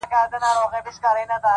څومره بلند دی;